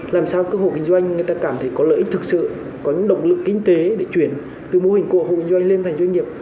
làm sao các hộ kinh doanh người ta cảm thấy có lợi ích thực sự có những động lực kinh tế để chuyển từ mô hình của hộ kinh doanh lên thành doanh nghiệp